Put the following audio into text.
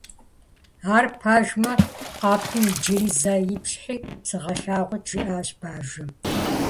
- Ар пэжмэ, къэпым иджыри зэ ипщхьи, сыгъэлъагъут, - жиӏащ бажэм.